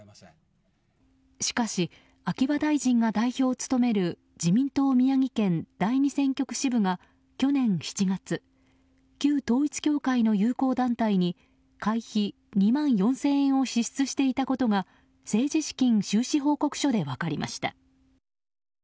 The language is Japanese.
しかし、秋葉大臣が代表を務める自民党宮城県第二選挙区支部が去年７月旧統一教会の友好団体に会費２万４０００円を支出していたことが政治資金収支報告書で分かりました。